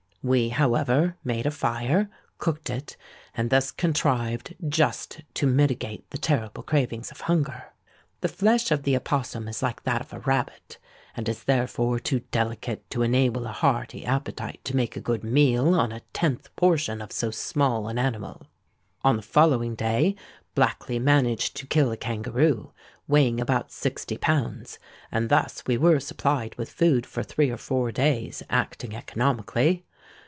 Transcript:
We, however, made a fire, cooked it, and thus contrived just to mitigate the terrible cravings of hunger. The flesh of the opossum is like that of a rabbit, and is therefore too delicate to enable a hearty appetite to make a good meal on a tenth portion of so small an animal. "On the following day Blackley managed to kill a kangaroo, weighing about sixty pounds; and thus we were supplied with food for three or four days, acting economically.